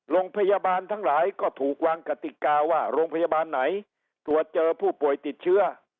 โรงพยาบาลทั้งหลายก็ถูกวางกติกาว่าโรงพยาบาลไหนตรวจเจอผู้ป่วยติดเชื้อ